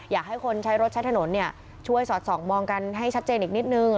อยากให้คนใช้รถใช้ถนนช่วยสอดส่องมองกันให้ชัดเจนอีกนิดนึง